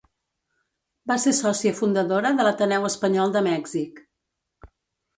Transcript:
Va ser sòcia fundadora de l'Ateneu Espanyol de Mèxic.